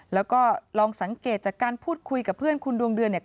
แล้วก็ลองสังเกตจากการพูดคุยกับเพื่อนคุณดวงเดือนเนี่ย